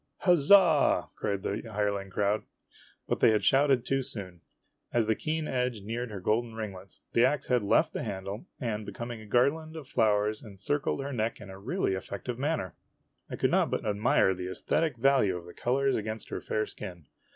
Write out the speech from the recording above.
" Huzza !" cried the hireling crowd. But they had shouted too soon. As the keen edge neared her golden ringlets, the ax head left the handle and becoming a garland of flowers encircled her neck in a really effective manner. I could not but admire the esthetic value of the colors against her fair skin.